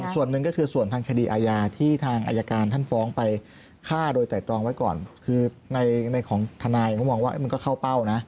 ส่วนหนึ่งก็คือส่วนทางคดีอาญาที่ทางอายการท่านฟ้องไปฆ่าโดยไตรตรองไว้ก่อนคือในของทนายเขามองว่ามันก็เข้าเป้านะ